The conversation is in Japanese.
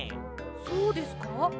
そうですか？